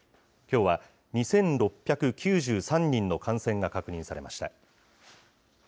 きょうは２６９３人の感染が確認されました。